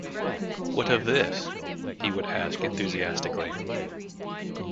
“What of this?” he would ask enthusiastically.